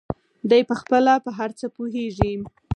دى پخپله په هر څه پوهېږي.